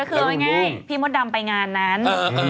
ก็คือไงพี่หมดดำไปงานนั้น